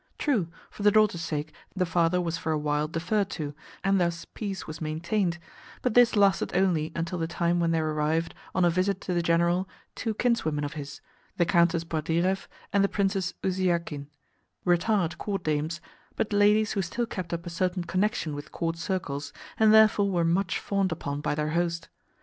True, for the daughter's sake, the father was for a while deferred to, and thus peace was maintained; but this lasted only until the time when there arrived, on a visit to the General, two kinswomen of his the Countess Bordirev and the Princess Uziakin, retired Court dames, but ladies who still kept up a certain connection with Court circles, and therefore were much fawned upon by their host.